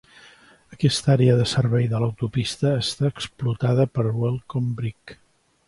Aquesta àrea de servei de l'autopista està explotada per Welcome Break.